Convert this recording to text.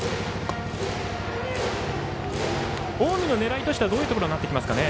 近江の狙いとしてはどういうところになってきますか。